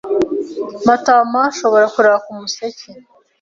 Matamainshobora kureka kumuseka.